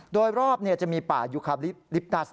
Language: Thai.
โดยรอบจะมีป่ายุคาลิปตัส